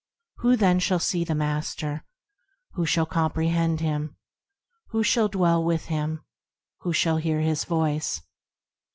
Who, then, shall see the Master? Who shall comprehend Him ? Who shall dwell with Him? Who shall hear His Voice